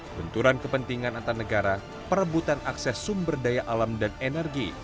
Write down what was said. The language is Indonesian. benturan kepentingan antar negara perebutan akses sumber daya alam dan energi